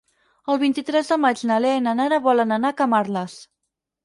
El vint-i-tres de maig na Lea i na Nara volen anar a Camarles.